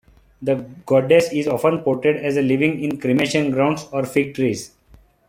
The goddess is often portrayed as living in cremation grounds or fig trees.